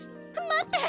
待って！